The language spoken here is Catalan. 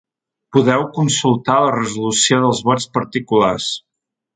Podeu consultar la resolució dels vots particulars.